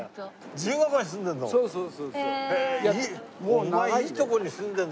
自由が丘に住んでるの？